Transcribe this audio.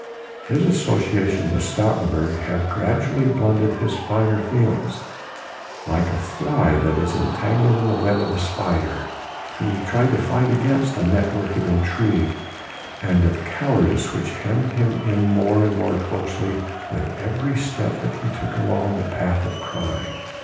His association with Stoutenburg had gradually blunted his finer feelings; like a fly that is entangled in the web of a spider, he tried to fight against the network of intrigue and of cowardice which hemmed him in more and more closely with every step that he took along the path of crime.